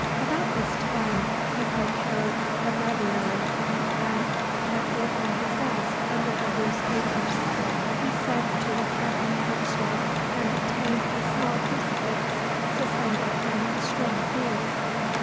About this time he procured a breviary and kept it in his desk under the loose papers. He sent to a Catholic bookstore and obtained a small crucifix suspended from a string of beads.